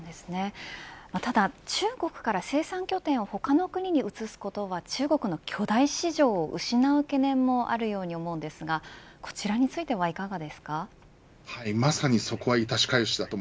ただ中国から生産拠点を他の国に移すことは中国の巨大市場を失う懸念もあるように思いますがこちらについてはいかがですか。